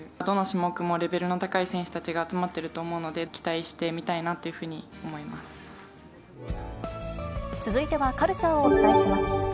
どの種目もレベルの高い選手たちが集まってると思うので、期待し続いてはカルチャーをお伝えします。